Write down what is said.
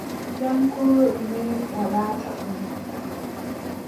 Jam koo ɗume, walaa caɗɗum.